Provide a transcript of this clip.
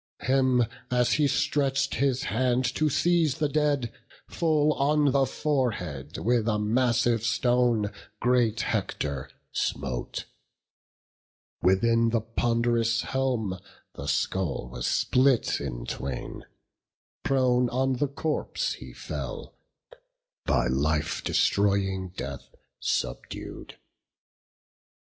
Him, as he stretch'd his hand to seize the dead, Full on the forehead with a massive stone Great Hector smote; within the pond'rous helm The skull was split in twain; prone on the corpse He fell, by life destroying death subdued.